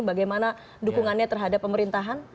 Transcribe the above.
bagaimana dukungannya terhadap pemerintahan